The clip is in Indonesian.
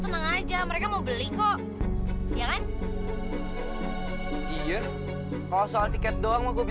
jangan sampai lewat oke